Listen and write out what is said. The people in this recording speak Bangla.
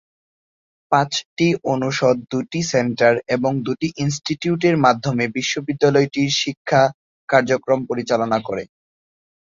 পাঁচটি অনুষদ, দুটি সেন্টার এবং দুটি ইনস্টিটিউটের মাধ্যমে বিশ্ববিদ্যালয়টি শিক্ষা কার্যক্রম পরিচালনা করে।